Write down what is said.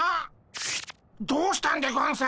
どうしたんでゴンス？